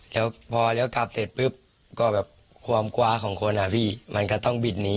แล้วพอเลี้ยวกลับเสร็จปุ๊บก็แบบความคว้าของคนอ่ะพี่มันก็ต้องบิดหนี